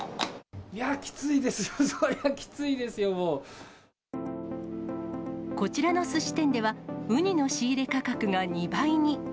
いや、きついですよ、それはきつこちらのすし店では、ウニの仕入れ価格が２倍に。